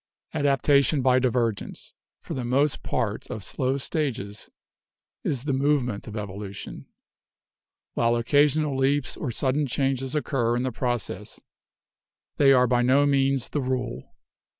"Adaptation by divergence — for the most part of slow stages — is the movement of evolution. While occasional leaps or sudden changes occur in the process, they are by no means the rule.